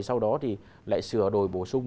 sau đó thì lại sửa đổi bổ sung